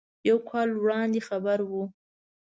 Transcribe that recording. یو کال وړاندې خبر و.